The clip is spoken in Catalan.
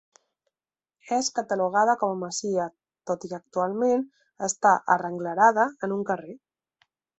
És catalogada com a masia tot i que actualment està arrenglerada en un carrer.